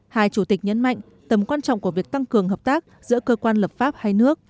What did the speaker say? hai chủ tịch nhấn mạnh tầm quan trọng của việc tăng cường hợp tác giữa cơ quan lập pháp hai nước